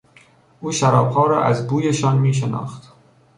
او شرابها را از بویشان میشناخت.